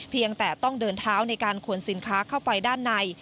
เพียงแต่ต้องเดินเท้าในการขนสินค้าเข้าไปด้านใน